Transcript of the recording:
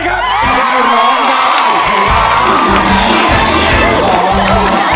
ยกที่สองนะครับเงินทุนสะสมมูลค่า